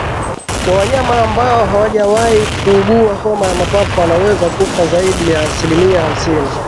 Kwa wanyama ambao hawajawahi kuugua homa ya mapafu wanaweza kufa zaidi ya asilimia hamsini